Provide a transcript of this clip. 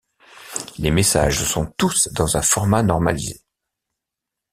Les messages sont tous dans un format normalisé.